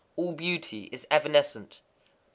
All beauty is evanescent. 93.